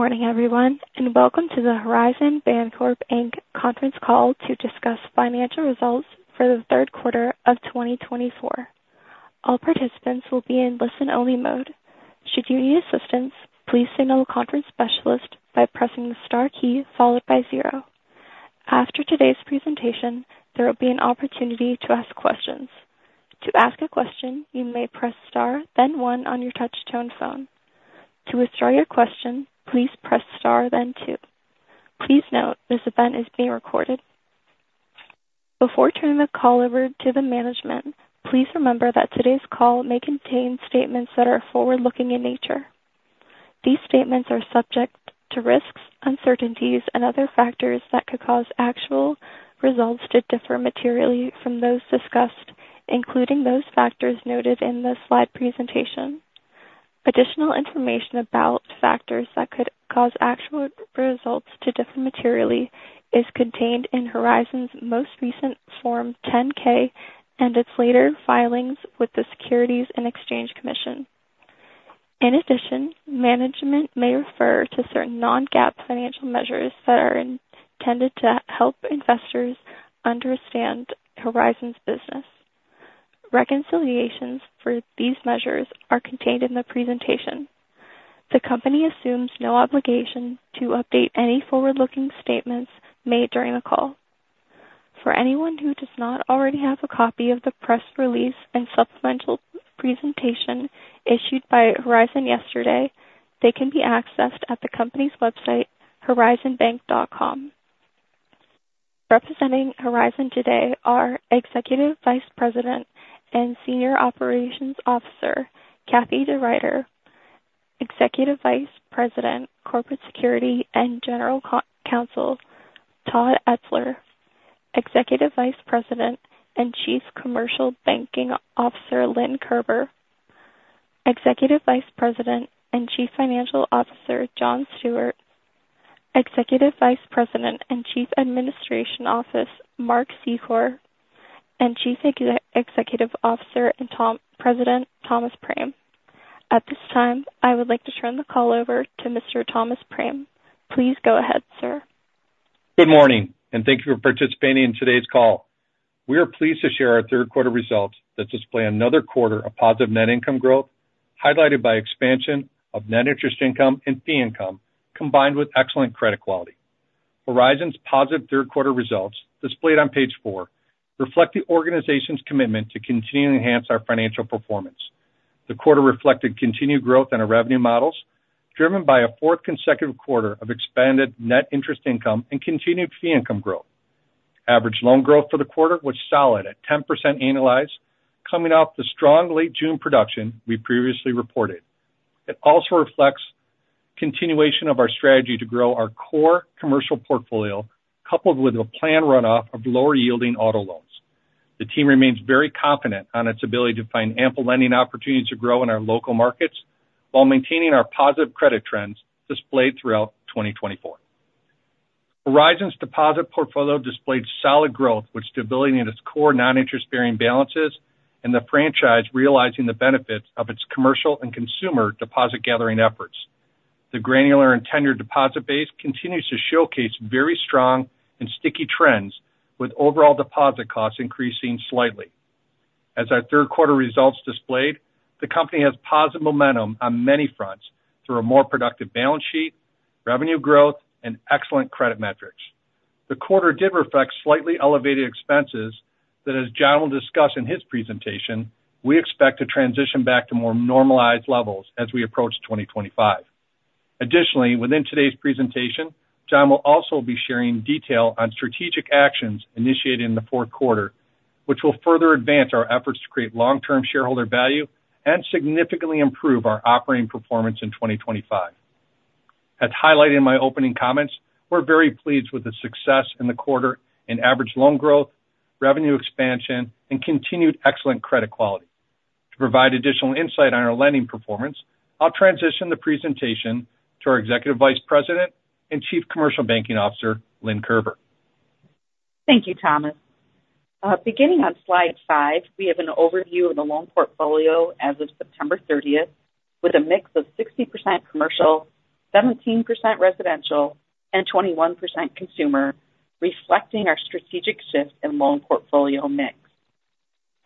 Good morning, everyone, and welcome to the Horizon Bancorp Inc. conference call to discuss financial results for the third quarter of 2024. All participants will be in listen-only mode. Should you need assistance, please signal a conference specialist by pressing the star key followed by zero. After today's presentation, there will be an opportunity to ask questions. To ask a question, you may press star, then one on your touchtone phone. To withdraw your question, please press star then two. Please note this event is being recorded. Before turning the call over to the management, please remember that today's call may contain statements that are forward-looking in nature. These statements are subject to risks, uncertainties, and other factors that could cause actual results to differ materially from those discussed, including those factors noted in the slide presentation. Additional information about factors that could cause actual results to differ materially is contained in Horizon's most recent Form 10-K and its later filings with the Securities and Exchange Commission. In addition, management may refer to certain non-GAAP financial measures that are intended to help investors understand Horizon's business. Reconciliations for these measures are contained in the presentation. The company assumes no obligation to update any forward-looking statements made during the call. For anyone who does not already have a copy of the press release and supplemental presentation issued by Horizon yesterday, they can be accessed at the company's website, horizonbank.com. Representing Horizon today are Executive Vice President and Senior Operations Officer Kathie DeRuiter, Executive Vice President, Corporate Secretary and General Counsel, Todd Etzler, Executive Vice President and Chief Commercial Banking Officer Lynn Kerber, Executive Vice President and Chief Financial Officer John Stewart, Executive Vice President and Chief Administration Officer, Mark Secor, and Chief Executive Officer and President Thomas Prame. At this time, I would like to turn the call over to Mr. Thomas Prame. Please go ahead, sir. Good morning, and thank you for participating in today's call. We are pleased to share our third quarter results that display another quarter of positive net income growth, highlighted by expansion of net interest income and fee income, combined with excellent credit quality. Horizon's positive third quarter results, displayed on page four, reflect the organization's commitment to continuing to enhance our financial performance. The quarter reflected continued growth in our revenue models, driven by a fourth consecutive quarter of expanded net interest income and continued fee income growth. Average loan growth for the quarter was solid at 10% annualized, coming off the strong late June production we previously reported. It also reflects continuation of our strategy to grow our core commercial portfolio, coupled with a planned runoff of lower-yielding auto loans. The team remains very confident on its ability to find ample lending opportunities to grow in our local markets while maintaining our positive credit trends displayed throughout 2024. Horizon's deposit portfolio displayed solid growth with stability in its core non-interest-bearing balances and the franchise realizing the benefits of its commercial and consumer deposit gathering efforts. The granular and tenured deposit base continues to showcase very strong and sticky trends, with overall deposit costs increasing slightly. As our third quarter results displayed, the company has positive momentum on many fronts through a more productive balance sheet, revenue growth, and excellent credit metrics. The quarter did reflect slightly elevated expenses that, as John will discuss in his presentation, we expect to transition back to more normalized levels as we approach 2025. Additionally, within today's presentation, John will also be sharing detail on strategic actions initiated in the fourth quarter, which will further advance our efforts to create long-term shareholder value and significantly improve our operating performance in 2025. As highlighted in my opening comments, we're very pleased with the success in the quarter in average loan growth, revenue expansion, and continued excellent credit quality. To provide additional insight on our lending performance, I'll transition the presentation to our Executive Vice President and Chief Commercial Banking Officer, Lynn Kerber. Thank you, Thomas. Beginning on slide five, we have an overview of the loan portfolio as of September 30th, with a mix of 60% commercial, 17% residential, and 21% consumer, reflecting our strategic shift in loan portfolio mix.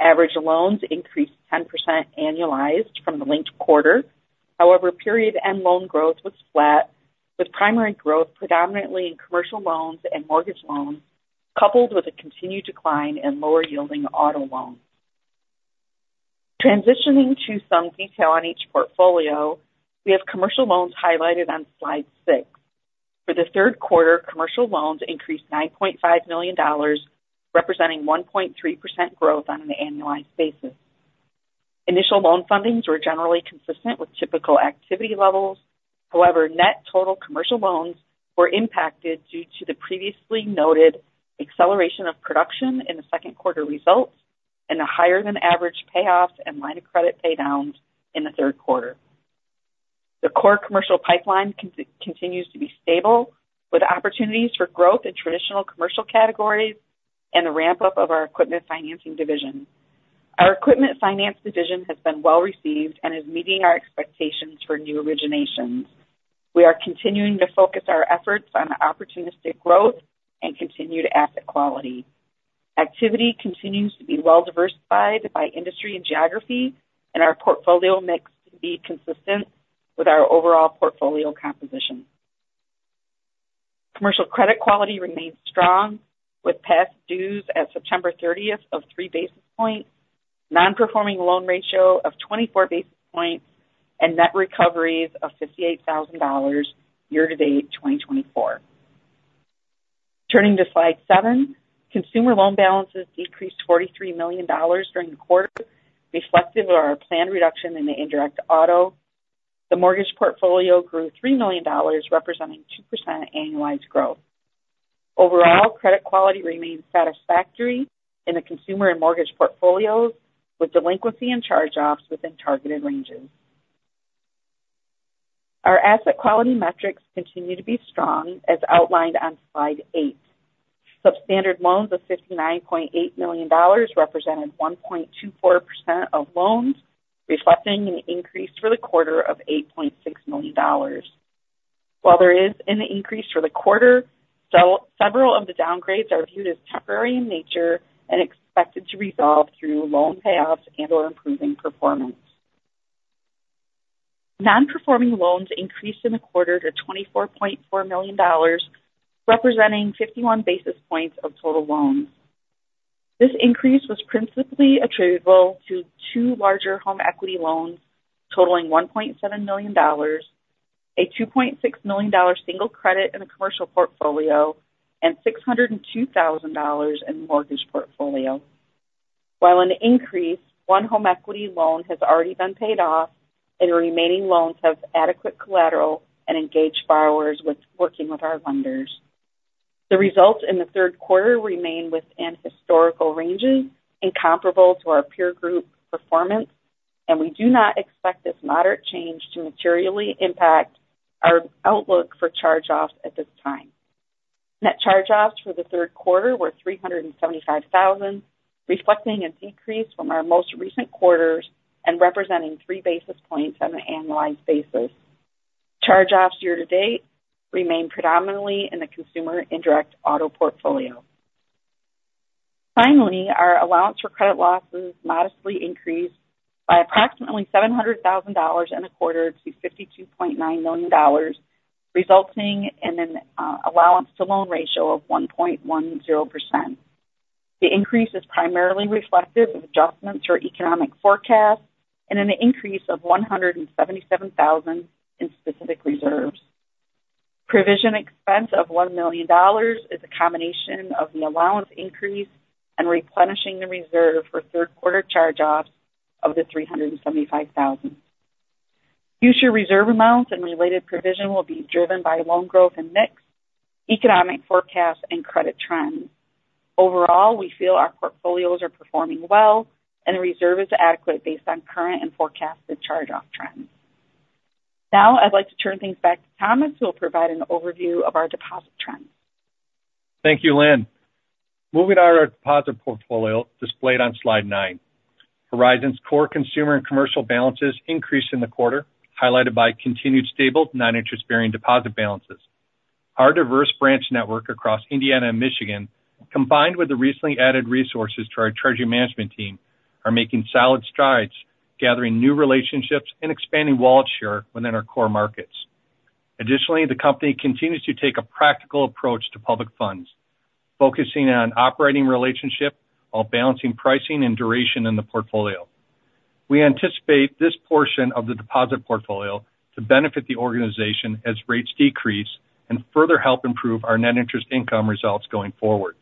Average loans increased 10% annualized from the linked quarter. However, period-end loan growth was flat, with primary growth predominantly in commercial loans and mortgage loans, coupled with a continued decline in lower-yielding auto loans. Transitioning to some detail on each portfolio, we have commercial loans highlighted on slide six. For the third quarter, commercial loans increased $9.5 million, representing 1.3% growth on an annualized basis. Initial loan fundings were generally consistent with typical activity levels. However, net total commercial loans were impacted due to the previously noted acceleration of production in the second quarter results and a higher-than-average payoffs and line of credit paydowns in the third quarter. The core commercial pipeline continues to be stable, with opportunities for growth in traditional commercial categories and the ramp-up of our equipment financing division. Our equipment finance division has been well received and is meeting our expectations for new originations. We are continuing to focus our efforts on opportunistic growth and continued asset quality. Activity continues to be well diversified by industry and geography, and our portfolio mix to be consistent with our overall portfolio composition. Commercial credit quality remains strong, with past dues at September 30th of three basis points, non-performing loan ratio of 24 basis points, and net recoveries of $58,000 year-to-date, 2024. Turning to slide seven. Consumer loan balances decreased $43 million during the quarter, reflective of our planned reduction in the indirect auto. The mortgage portfolio grew $3 million, representing 2% annualized growth. Overall, credit quality remains satisfactory in the consumer and mortgage portfolios, with delinquency and charge-offs within targeted ranges. Our asset quality metrics continue to be strong, as outlined on slide eight. Substandard loans of $59.8 million represented 1.24% of loans, reflecting an increase for the quarter of $8.6 million. While there is an increase for the quarter, several of the downgrades are viewed as temporary in nature and expected to resolve through loan payoffs and/or improving performance. Non-performing loans increased in the quarter to $24.4 million, representing 51 basis points of total loans. This increase was principally attributable to two larger home equity loans totaling $1.7 million, a $2.6 million single credit in the commercial portfolio, and $602,000 in mortgage portfolio. While an increase, one home equity loan has already been paid off, and remaining loans have adequate collateral and engaged borrowers working with our lenders. The results in the third quarter remain within historical ranges and comparable to our peer group performance, and we do not expect this moderate change to materially impact our outlook for charge-offs at this time. Net charge-offs for the third quarter were $375,000, reflecting an increase from our most recent quarters and representing three basis points on an annualized basis. Charge-offs year to date remain predominantly in the consumer indirect auto portfolio. Finally, our allowance for credit losses modestly increased by approximately $700,000 in the quarter to $52.9 million, resulting in an allowance to loan ratio of 1.10%. The increase is primarily reflective of adjustments to our economic forecast and an increase of $177,000 in specific reserves. Provision expense of $1 million is a combination of the allowance increase and replenishing the reserve for third quarter charge-offs of $375,000. Future reserve amounts and related provision will be driven by loan growth and mix, economic forecasts, and credit trends. Overall, we feel our portfolios are performing well, and the reserve is adequate based on current and forecasted charge-off trends. Now I'd like to turn things back to Thomas, who will provide an overview of our deposit trends. Thank you, Lynn. Moving to our deposit portfolio displayed on slide nine. Horizon's core consumer and commercial balances increased in the quarter, highlighted by continued stable non-interest-bearing deposit balances. Our diverse branch network across Indiana and Michigan, combined with the recently added resources to our treasury management team, are making solid strides, gathering new relationships and expanding wallet share within our core markets. Additionally, the company continues to take a practical approach to public funds, focusing on operating relationship while balancing pricing and duration in the portfolio. We anticipate this portion of the deposit portfolio to benefit the organization as rates decrease and further help improve our net interest income results going forward.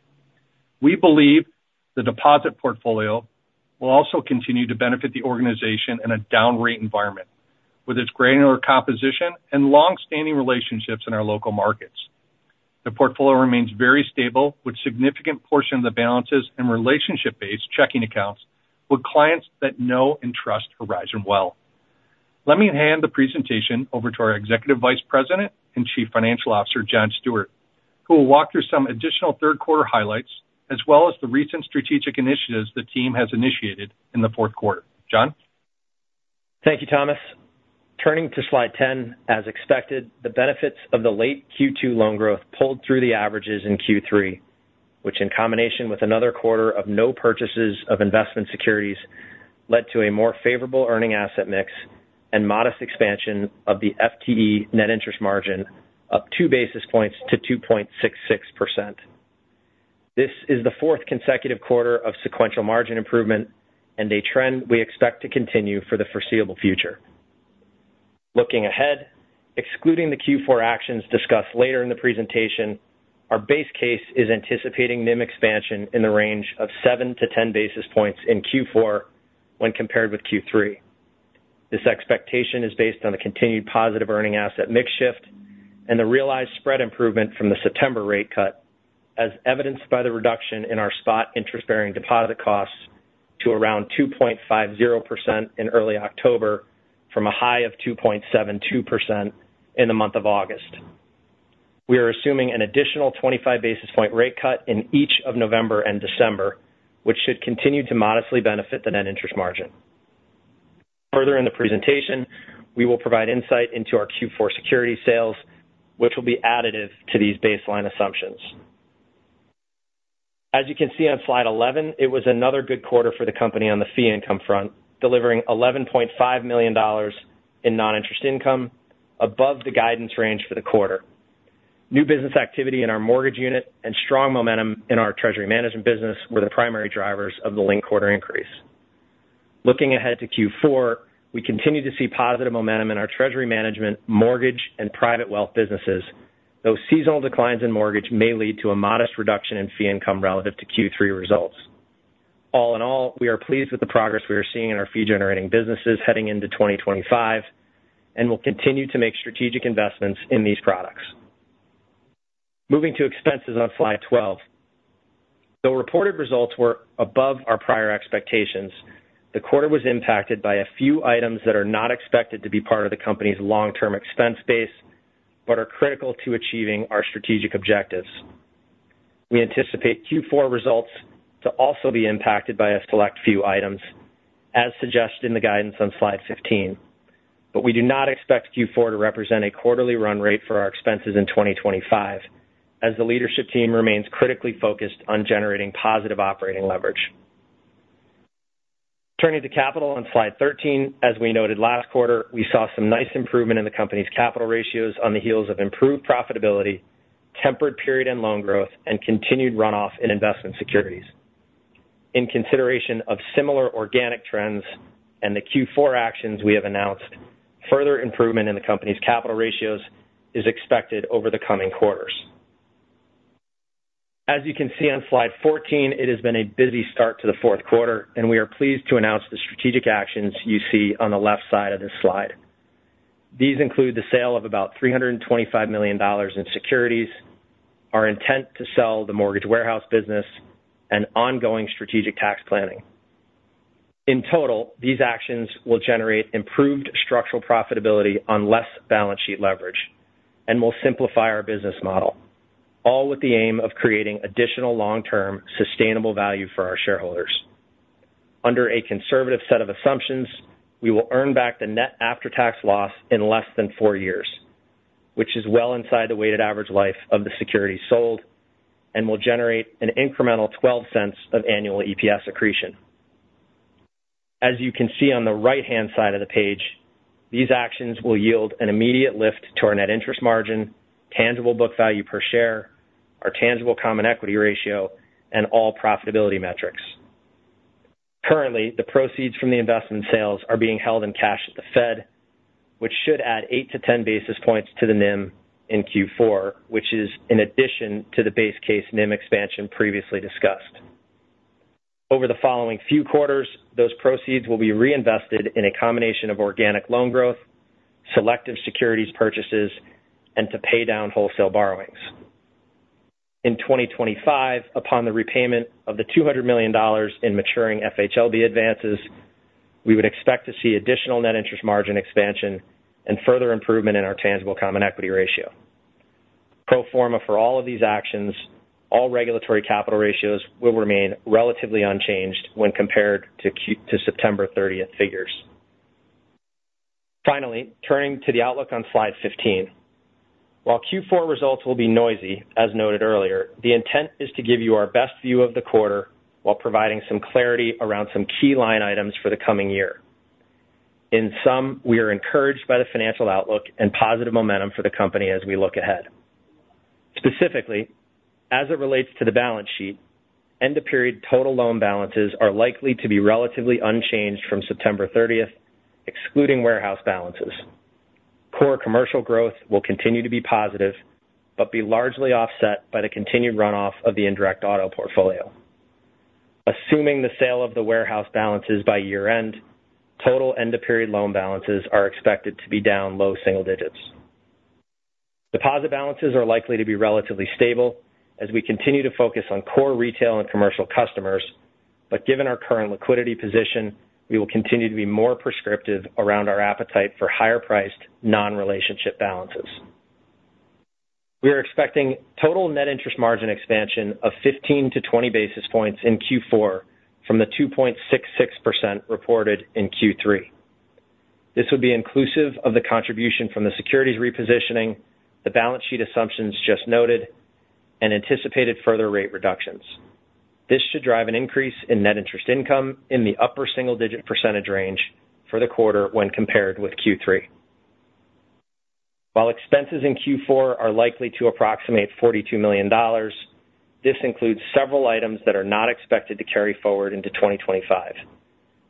We believe the deposit portfolio will also continue to benefit the organization in a down rate environment, with its granular composition and long-standing relationships in our local markets. The portfolio remains very stable, with significant portion of the balances and relationship-based checking accounts with clients that know and trust Horizon well. Let me hand the presentation over to our Executive Vice President and Chief Financial Officer, John Stewart, who will walk through some additional third quarter highlights, as well as the recent strategic initiatives the team has initiated in the fourth quarter. John? Thank you, Thomas. Turning to slide 10, as expected, the benefits of the late Q2 loan growth pulled through the averages in Q3, which, in combination with another quarter of no purchases of investment securities, led to a more favorable earning asset mix and modest expansion of the FTE net interest margin, up two basis points to 2.66%. This is the fourth consecutive quarter of sequential margin improvement and a trend we expect to continue for the foreseeable future. Looking ahead, excluding the Q4 actions discussed later in the presentation, our base case is anticipating NIM expansion in the range of seven to 10 basis points in Q4 when compared with Q3. This expectation is based on the continued positive earning asset mix shift and the realized spread improvement from the September rate cut, as evidenced by the reduction in our spot interest-bearing deposit costs to around 2.50% in early October from a high of 2.72% in the month of August. We are assuming an additional 25 basis points rate cut in each of November and December, which should continue to modestly benefit the net interest margin. Further in the presentation, we will provide insight into our Q4 securities sales, which will be additive to these baseline assumptions. As you can see on slide 11, it was another good quarter for the company on the fee income front, delivering $11.5 million in non-interest income above the guidance range for the quarter. New business activity in our mortgage unit and strong momentum in our treasury management business were the primary drivers of the linked quarter increase. Looking ahead to Q4, we continue to see positive momentum in our treasury management, mortgage, and private wealth businesses, though seasonal declines in mortgage may lead to a modest reduction in fee income relative to Q3 results. All in all, we are pleased with the progress we are seeing in our fee-generating businesses heading into 2025, and we'll continue to make strategic investments in these products. Moving to expenses on slide 12. Though reported results were above our prior expectations, the quarter was impacted by a few items that are not expected to be part of the company's long-term expense base, but are critical to achieving our strategic objectives. We anticipate Q4 results to also be impacted by a select few items, as suggested in the guidance on slide 15. But we do not expect Q4 to represent a quarterly run rate for our expenses in 2025, as the leadership team remains critically focused on generating positive operating leverage. Turning to capital on slide 13, as we noted last quarter, we saw some nice improvement in the company's capital ratios on the heels of improved profitability, tempered deposit and loan growth, and continued runoff in investment securities. In consideration of similar organic trends and the Q4 actions we have announced, further improvement in the company's capital ratios is expected over the coming quarters. As you can see on slide 14, it has been a busy start to the fourth quarter, and we are pleased to announce the strategic actions you see on the left side of this slide. These include the sale of about $325 million in securities, our intent to sell the mortgage warehouse business, and ongoing strategic tax planning. In total, these actions will generate improved structural profitability on less balance sheet leverage and will simplify our business model, all with the aim of creating additional long-term, sustainable value for our shareholders. Under a conservative set of assumptions, we will earn back the net after-tax loss in less than four years, which is well inside the weighted average life of the securities sold and will generate an incremental $0.12 of annual EPS accretion. As you can see on the right-hand side of the page, these actions will yield an immediate lift to our net interest margin, tangible book value per share, our tangible common equity ratio, and all profitability metrics. Currently, the proceeds from the investment sales are being held in cash at the Fed, which should add eight to 10 basis points to the NIM in Q4, which is in addition to the base case NIM expansion previously discussed. Over the following few quarters, those proceeds will be reinvested in a combination of organic loan growth, selective securities purchases, and to pay down wholesale borrowings. In 2025, upon the repayment of the $200 million in maturing FHLB advances, we would expect to see additional net interest margin expansion and further improvement in our tangible common equity ratio. Pro forma for all of these actions, all regulatory capital ratios will remain relatively unchanged when compared to September 30th figures. Finally, turning to the outlook on slide 15. While Q4 results will be noisy, as noted earlier, the intent is to give you our best view of the quarter while providing some clarity around some key line items for the coming year. In sum, we are encouraged by the financial outlook and positive momentum for the company as we look ahead. Specifically, as it relates to the balance sheet, end-of-period total loan balances are likely to be relatively unchanged from September 30th, excluding warehouse balances. Core commercial growth will continue to be positive, but be largely offset by the continued runoff of the indirect auto portfolio. Assuming the sale of the warehouse balances by year-end, total end-of-period loan balances are expected to be down low single digits. Deposit balances are likely to be relatively stable as we continue to focus on core retail and commercial customers, but given our current liquidity position, we will continue to be more prescriptive around our appetite for higher-priced, non-relationship balances. We are expecting total net interest margin expansion of 15 to 20 basis points in Q4 from the 2.66% reported in Q3. This would be inclusive of the contribution from the securities repositioning, the balance sheet assumptions just noted, and anticipated further rate reductions. This should drive an increase in net interest income in the upper single-digit percentage range for the quarter when compared with Q3. While expenses in Q4 are likely to approximate $42 million, this includes several items that are not expected to carry forward into 2025.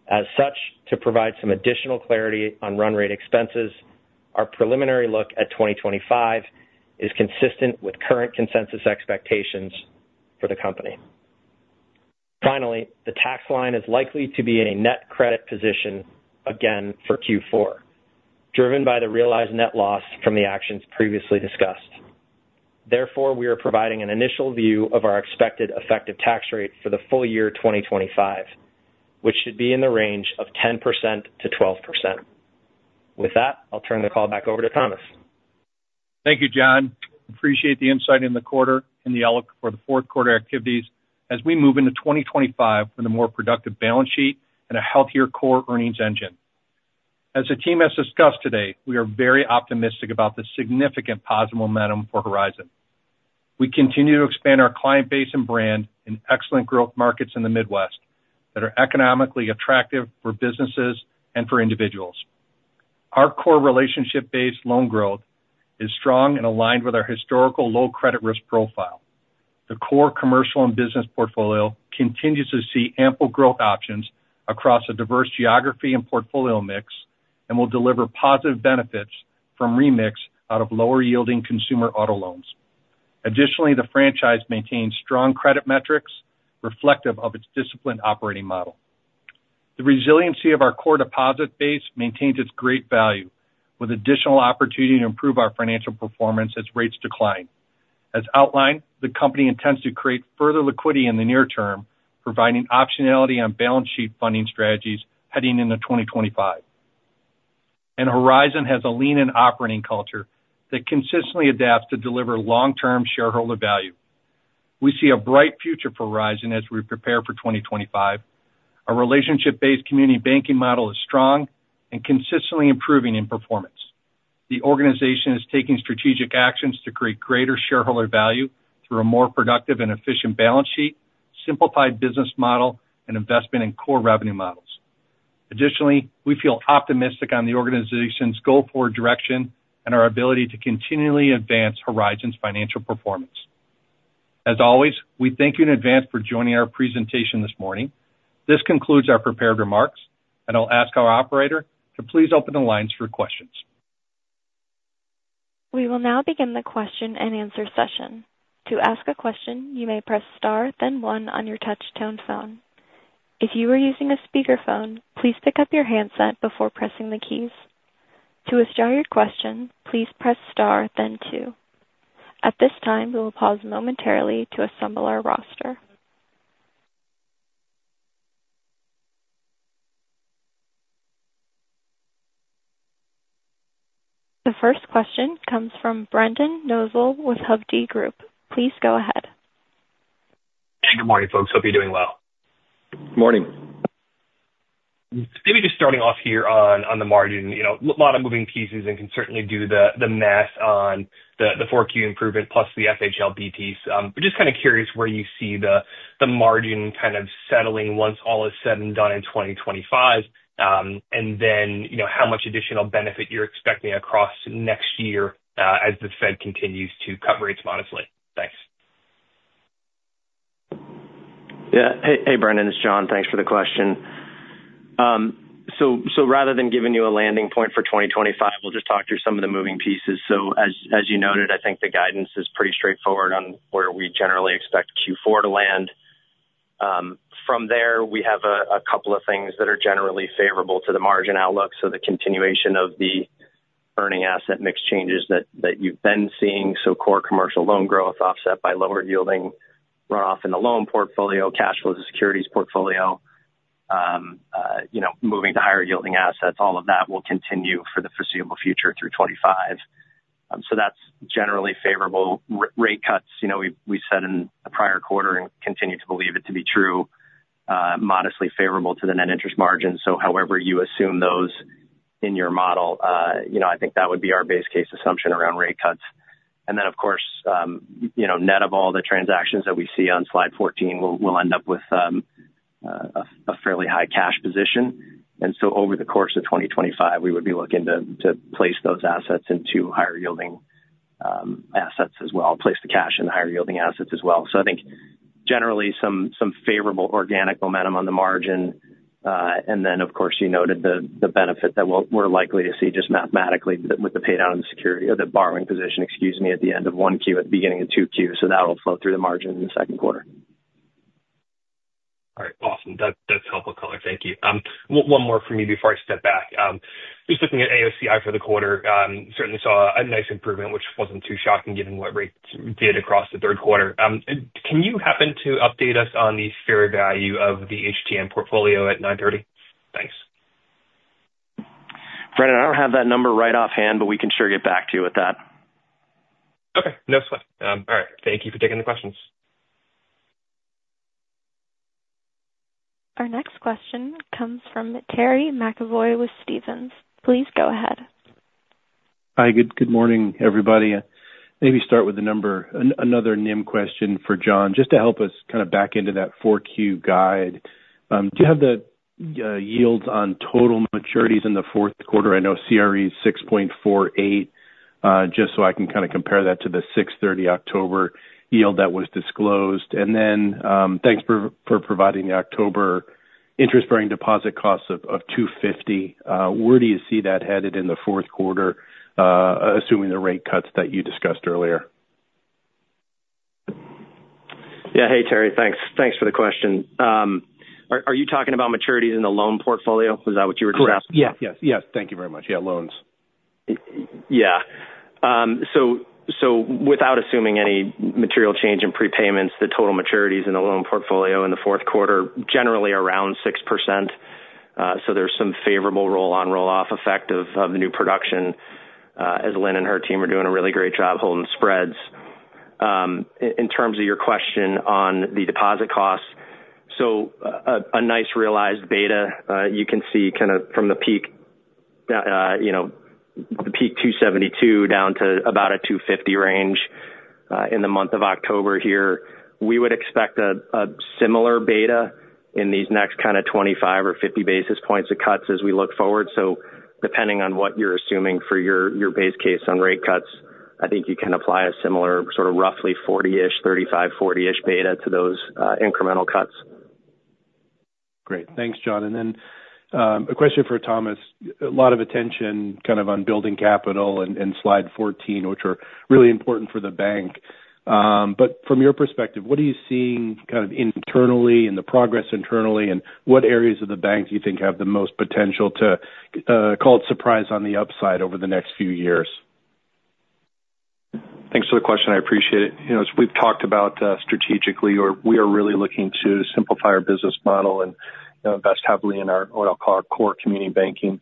As such, to provide some additional clarity on run rate expenses, our preliminary look at 2025 is consistent with current consensus expectations for the company. Finally, the tax line is likely to be in a net credit position again for Q4, driven by the realized net loss from the actions previously discussed. Therefore, we are providing an initial view of our expected effective tax rate for the full year 2025.... which should be in the range of 10%-12%. With that, I'll turn the call back over to Thomas. Thank you, John. Appreciate the insight in the quarter and the outlook for the fourth quarter activities as we move into 2025 with a more productive balance sheet and a healthier core earnings engine. As the team has discussed today, we are very optimistic about the significant positive momentum for Horizon. We continue to expand our client base and brand in excellent growth markets in the Midwest that are economically attractive for businesses and for individuals. Our core relationship-based loan growth is strong and aligned with our historical low credit risk profile. The core commercial and business portfolio continues to see ample growth options across a diverse geography and portfolio mix, and will deliver positive benefits from remix out of lower yielding consumer auto loans. Additionally, the franchise maintains strong credit metrics reflective of its disciplined operating model. The resiliency of our core deposit base maintains its great value, with additional opportunity to improve our financial performance as rates decline. As outlined, the company intends to create further liquidity in the near term, providing optionality on balance sheet funding strategies heading into 2025, and Horizon has a lean and operating culture that consistently adapts to deliver long-term shareholder value. We see a bright future for Horizon as we prepare for 2025. Our relationship-based community banking model is strong and consistently improving in performance. The organization is taking strategic actions to create greater shareholder value through a more productive and efficient balance sheet, simplified business model, and investment in core revenue models. Additionally, we feel optimistic on the organization's go-forward direction and our ability to continually advance Horizon's financial performance. As always, we thank you in advance for joining our presentation this morning. This concludes our prepared remarks, and I'll ask our operator to please open the lines for questions. We will now begin the question-and-answer session. To ask a question, you may press star, then one on your touchtone phone. If you are using a speakerphone, please pick up your handset before pressing the keys. To withdraw your question, please press star then two. At this time, we will pause momentarily to assemble our roster. The first question comes from Brendan Nosal with Hovde Group. Please go ahead. Hey, good morning, folks. Hope you're doing well. Good morning. Maybe just starting off here on the margin, you know, a lot of moving pieces and can certainly do the math on the 4Q improvement plus the FHLB Ts. But just kind of curious where you see the margin kind of settling once all is said and done in 2025, and then, you know, how much additional benefit you're expecting across next year, as the Fed continues to cut rates modestly? Thanks. Yeah. Hey, Brendan, it's John. Thanks for the question. So, rather than giving you a landing point for 2025, we'll just talk through some of the moving pieces. So as you noted, I think the guidance is pretty straightforward on where we generally expect Q4 to land. From there, we have a couple of things that are generally favorable to the margin outlook. So the continuation of the earning asset mix changes that you've been seeing, so core commercial loan growth offset by lower yielding runoff in the loan portfolio, cash flow to securities portfolio, you know, moving to higher yielding assets. All of that will continue for the foreseeable future through 2025. So that's generally favorable. Rate cuts, you know, we said in the prior quarter and continue to believe it to be true, modestly favorable to the net interest margin. So however you assume those in your model, you know, I think that would be our base case assumption around rate cuts. And then, of course, you know, net of all the transactions that we see on slide 14, we'll end up with a fairly high cash position. And so over the course of 2025, we would be looking to place those assets into higher yielding assets as well, place the cash in higher yielding assets as well. So I think generally some favorable organic momentum on the margin. And then, of course, you noted the benefit that we're likely to see just mathematically with the pay down in the security or the borrowing position, excuse me, at the end of 1Q, at the beginning of 2Q. So that'll flow through the margin in the second quarter. All right. Awesome. That's helpful quarter. Thank you. One more for me before I step back. Just looking at AOCI for the quarter, certainly saw a nice improvement, which wasn't too shocking given what rates did across the third quarter. Can you happen to update us on the fair value of the HTM portfolio at 930? Thanks. Brendan, I don't have that number right offhand, but we can sure get back to you with that. Okay, no sweat. All right. Thank you for taking the questions. Our next question comes from Terry McEvoy with Stephens. Please go ahead. Hi, good morning, everybody. Maybe start with the number... Another NIM question for John, just to help us kind of back into that 4Q guide. Do you have the yields on total maturities in the fourth quarter? I know CRE is 6.48. Just so I can kind of compare that to the 6.30 October yield that was disclosed. And then, thanks for providing the October interest-bearing deposit costs of $250. Where do you see that headed in the fourth quarter, assuming the rate cuts that you discussed earlier? Yeah. Hey, Terry. Thanks. Thanks for the question. Are you talking about maturities in the loan portfolio? Is that what you were referring to? Correct. Yeah. Yes, yes. Thank you very much. Yeah, loans.... Yeah. So without assuming any material change in prepayments, the total maturities in the loan portfolio in the fourth quarter, generally around 6%. So there's some favorable roll-on, roll-off effect of the new production, as Lynn and her team are doing a really great job holding spreads. In terms of your question on the deposit costs, so a nice realized beta, you can see kind of from the peak, you know, the peak $272 down to about a $250 range, in the month of October here. We would expect a similar beta in these next kind of 25 or 50 basis points of cuts as we look forward. Depending on what you're assuming for your base case on rate cuts, I think you can apply a similar sort of roughly 40-ish, 35, 40-ish beta to those incremental cuts. Great. Thanks, John. And then, a question for Thomas. A lot of attention kind of on building capital and, in slide 14, which are really important for the bank. But from your perspective, what are you seeing kind of internally, in the progress internally, and what areas of the banks do you think have the most potential to, call it surprise on the upside over the next few years? Thanks for the question. I appreciate it. You know, as we've talked about, strategically, we are really looking to simplify our business model and, you know, invest heavily in our what I'll call our core community banking.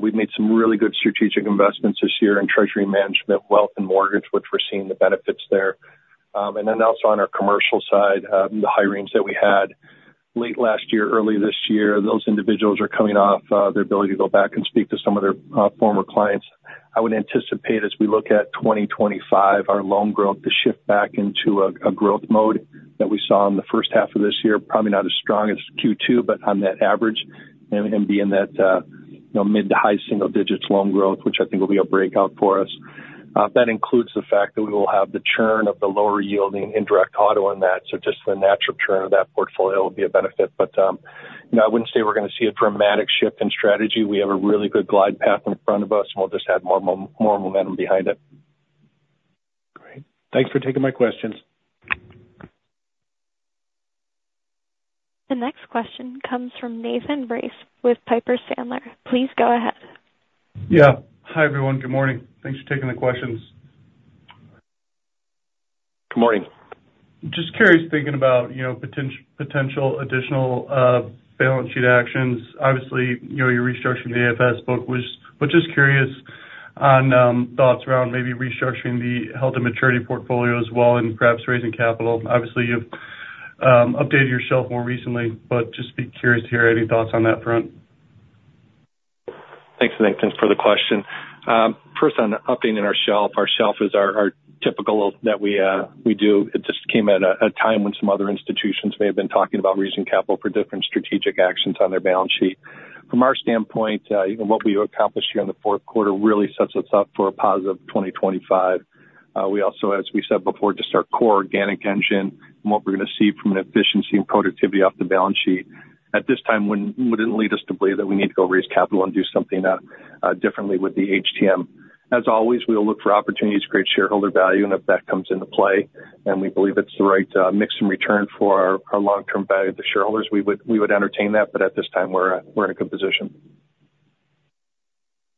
We've made some really good strategic investments this year in treasury management, wealth and mortgage, which we're seeing the benefits there. And then also on our commercial side, the hirings that we had late last year, early this year, those individuals are coming off their ability to go back and speak to some of their former clients. I would anticipate, as we look at 2025, our loan growth to shift back into a growth mode that we saw in the first half of this year. Probably not as strong as Q2, but on that average, and be in that, you know, mid to high single digits loan growth, which I think will be a breakout for us. That includes the fact that we will have the churn of the lower yielding indirect auto in that, so just the natural churn of that portfolio will be a benefit. But you know, I wouldn't say we're going to see a dramatic shift in strategy. We have a really good glide path in front of us, and we'll just add more momentum behind it. Great. Thanks for taking my questions. The next question comes from Nathan Race with Piper Sandler. Please go ahead. Yeah. Hi, everyone. Good morning. Thanks for taking the questions. Good morning. Just curious, thinking about, you know, potential additional balance sheet actions. Obviously, you know, you're restructuring the AFS book, which is curious on thoughts around maybe restructuring the held to maturity portfolio as well and perhaps raising capital. Obviously, you've updated your shelf more recently, but just be curious to hear any thoughts on that front. Thanks, Nathan, for the question. First, on updating our shelf, our shelf is our typical that we do. It just came at a time when some other institutions may have been talking about raising capital for different strategic actions on their balance sheet. From our standpoint, you know, what we accomplished here in the fourth quarter really sets us up for a positive 2025. We also, as we said before, just our core organic engine and what we're going to see from an efficiency and productivity off the balance sheet. At this time, wouldn't lead us to believe that we need to go raise capital and do something differently with the HTM. As always, we'll look for opportunities to create shareholder value, and if that comes into play, and we believe it's the right mix and return for our long-term value to shareholders, we would entertain that, but at this time, we're in a good position.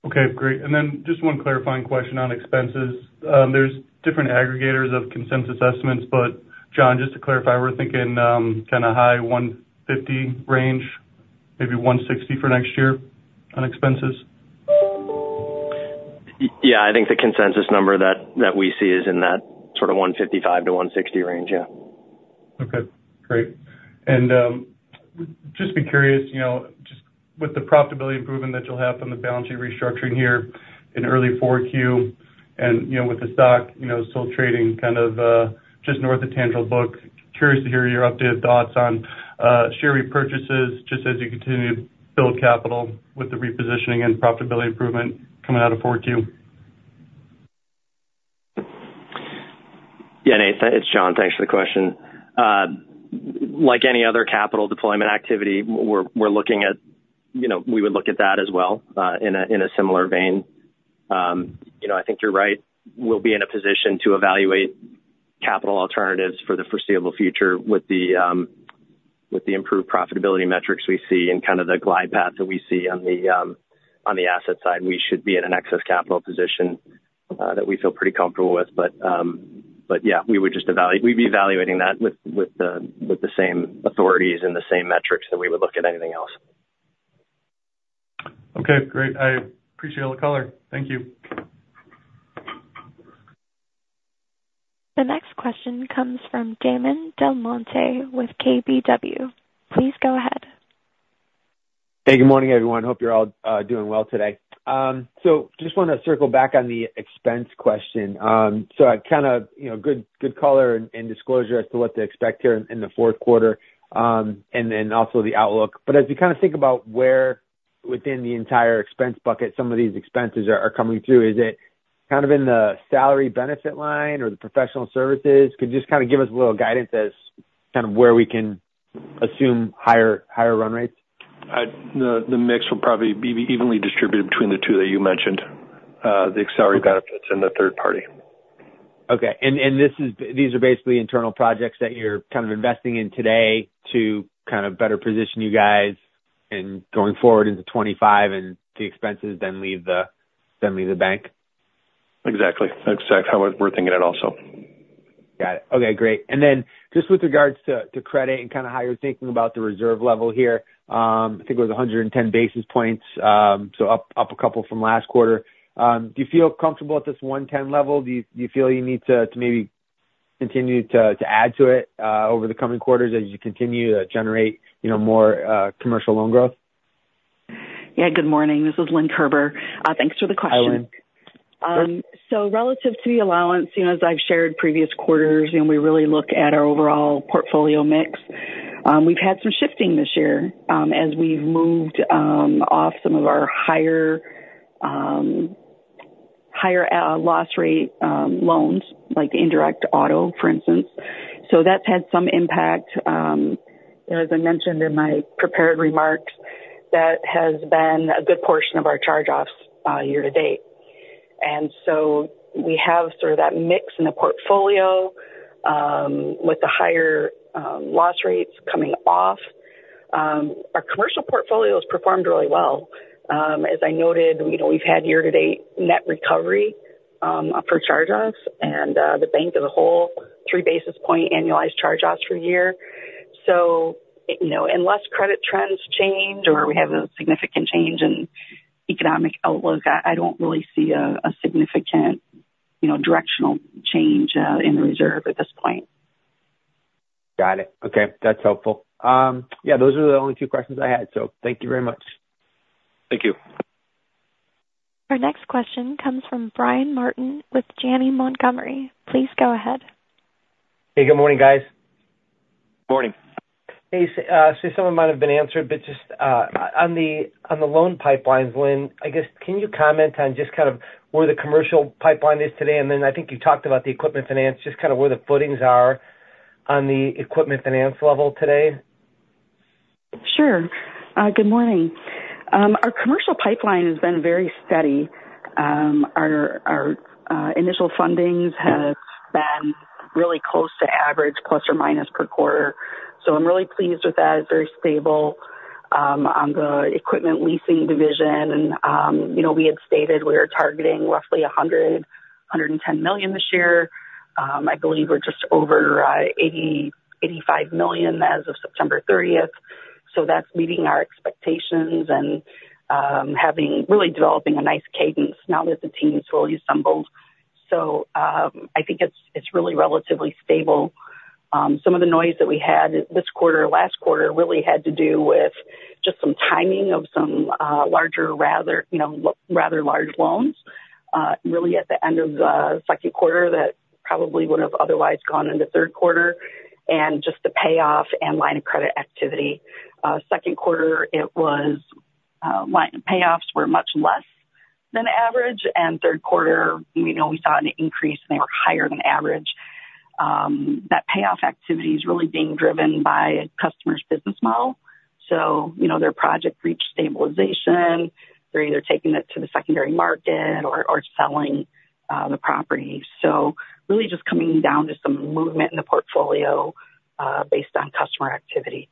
Okay, great. And then just one clarifying question on expenses. There's different aggregators of consensus estimates, but John, just to clarify, we're thinking, kind of high one fifty range, maybe one sixty for next year on expenses? Yeah, I think the consensus number that we see is in that sort of 155-160 range. Yeah. Okay, great. And just be curious, you know, just with the profitability improvement that you'll have from the balance sheet restructuring here in early 4Q, and, you know, with the stock, you know, still trading kind of just north of tangible book, curious to hear your updated thoughts on share repurchases, just as you continue to build capital with the repositioning and profitability improvement coming out of 4Q. Yeah, Nathan, it's John. Thanks for the question. Like any other capital deployment activity, we're looking at, you know, we would look at that as well, in a similar vein. You know, I think you're right. We'll be in a position to evaluate capital alternatives for the foreseeable future with the improved profitability metrics we see and kind of the glide path that we see on the asset side. We should be in an excess capital position that we feel pretty comfortable with. But yeah, we'd be evaluating that with the same authorities and the same metrics that we would look at anything else. Okay, great. I appreciate all the color. Thank you. The next question comes from Damon DelMonte with KBW. Please go ahead. Hey, good morning, everyone. Hope you're all doing well today. So just wanted to circle back on the expense question. So I kind of, you know, good color and disclosure as to what to expect here in the fourth quarter, and then also the outlook. But as you kind of think about where within the entire expense bucket some of these expenses are coming through, is it kind of in the salary benefit line or the professional services? Could you just kind of give us a little guidance as kind of where we can assume higher run rates? The mix will probably be evenly distributed between the two that you mentioned, the salary benefits and the third party. Okay, and these are basically internal projects that you're kind of investing in today to kind of better position you guys in going forward into 2025, and the expenses then leave the bank? Exactly. That's exactly how we're thinking it also. Got it. Okay, great. And then just with regards to credit and kind of how you're thinking about the reserve level here, I think it was 110 basis points, so up a couple from last quarter. Do you feel comfortable at this 110 level? Do you feel you need to maybe continue to add to it over the coming quarters as you continue to generate, you know, more commercial loan growth? Yeah, good morning. This is Lynn Kerber. Thanks for the question. Hi, Lynn. So relative to the allowance, you know, as I've shared previous quarters, you know, we really look at our overall portfolio mix. We've had some shifting this year, as we've moved off some of our higher higher loss rate loans, like the indirect auto, for instance. So that's had some impact. As I mentioned in my prepared remarks, that has been a good portion of our charge-offs year to date, and so we have sort of that mix in the portfolio with the higher loss rates coming off. Our commercial portfolio has performed really well. As I noted, you know, we've had year to date net recovery for charge-offs and the bank as a whole, three basis point annualized charge-offs for the year. You know, unless credit trends change or we have a significant change in economic outlook, I don't really see a significant, you know, directional change in the reserve at this point. Got it. Okay. That's helpful. Yeah, those are the only two questions I had, so thank you very much. Thank you. Our next question comes from Brian Martin with Janney Montgomery. Please go ahead. Hey, good morning, guys. Morning. Hey, so some of it might have been answered, but just on the loan pipelines, Lynn, I guess, can you comment on just kind of where the commercial pipeline is today? And then I think you talked about the equipment finance, just kind of where the footings are on the equipment finance level today. Sure. Good morning. Our commercial pipeline has been very steady. Our initial fundings have been really close to average, plus or minus per quarter. So I'm really pleased with that. It's very stable. On the equipment leasing division and, you know, we had stated we were targeting roughly $100-$110 million this year. I believe we're just over $80-$85 million as of September 30th. So that's meeting our expectations and, having really developing a nice cadence now that the team is fully assembled. So, I think it's really relatively stable. Some of the noise that we had this quarter, last quarter, really had to do with just some timing of some larger rather, you know, rather large loans really at the end of the second quarter that probably would have otherwise gone into third quarter, and just the payoff and line of credit activity. Second quarter, it was line payoffs were much less than average, and third quarter, you know, we saw an increase, and they were higher than average. That payoff activity is really being driven by a customer's business model. So, you know, their project reached stabilization. They're either taking it to the secondary market or selling the property. So really just coming down to some movement in the portfolio based on customer activity.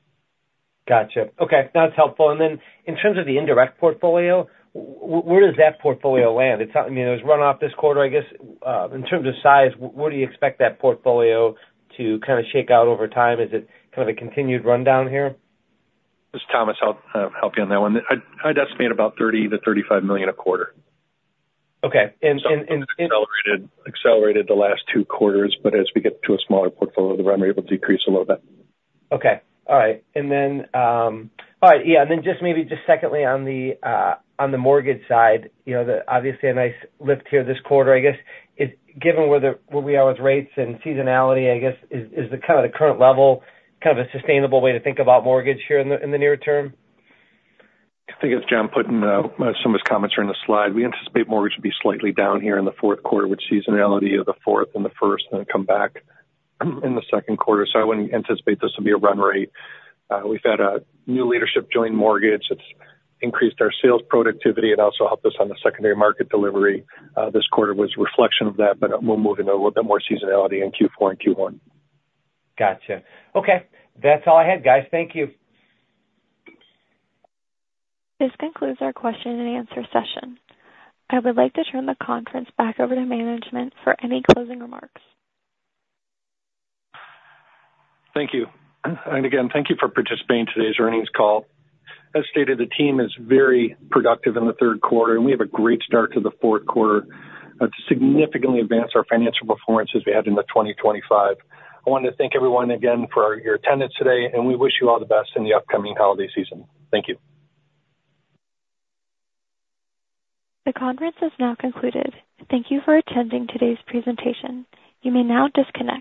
Gotcha. Okay, that's helpful. And then in terms of the indirect portfolio, where does that portfolio land? It's, I mean, it was run off this quarter, I guess, in terms of size, where do you expect that portfolio to kind of shake out over time? Is it kind of a continued rundown here? This is Thomas. I'll help you on that one. I'd estimate about $30-$35 million a quarter. Okay. And, Accelerated the last two quarters, but as we get to a smaller portfolio, the run rate will decrease a little bit. Okay. All right. And then, All right, yeah, and then just maybe just secondly, on the, on the mortgage side, you know, the obviously a nice lift here this quarter. I guess it's given where the, where we are with rates and seasonality, I guess, is, is the kind of the current level, kind of a sustainable way to think about mortgage here in the, in the near term? I think as John put in, some of his comments are in the slide. We anticipate mortgage will be slightly down here in the fourth quarter, with seasonality of the fourth and the first, and then come back in the second quarter. So I wouldn't anticipate this will be a run rate. We've had a new leadership join mortgage. It's increased our sales productivity and also helped us on the secondary market delivery. This quarter was a reflection of that, but we'll move into a little bit more seasonality in Q4 and Q1. Gotcha. Okay. That's all I had, guys. Thank you. This concludes our question and answer session. I would like to turn the conference back over to management for any closing remarks. Thank you. And again, thank you for participating in today's earnings call. As stated, the team is very productive in the third quarter, and we have a great start to the fourth quarter to significantly advance our financial performance as we head into 2025. I want to thank everyone again for your attendance today, and we wish you all the best in the upcoming holiday season. Thank you. The conference is now concluded. Thank you for attending today's presentation. You may now disconnect.